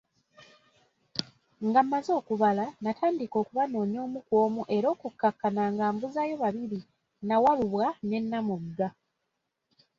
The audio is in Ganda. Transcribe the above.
Nga mmaze okubala natandika okubanoonya omu ku omu era okukakana nga mbuzaayo babiri, Nnawalubwa ne Namugga.